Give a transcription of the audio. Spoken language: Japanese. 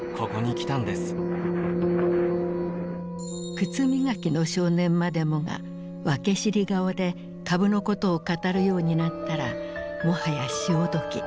靴磨きの少年までもが訳知り顔で株のことを語るようになったらもはや潮時。